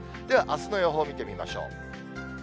ではあすの予報を見てみましょう。